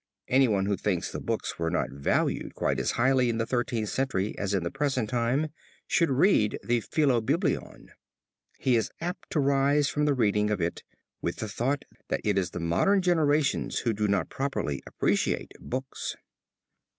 Anyone who thinks the books were not valued quite as highly in the Thirteenth Century as at the present time should read the Philobiblon. He is apt to rise from the reading of it with the thought that it is the modern generations who do not properly appreciate books.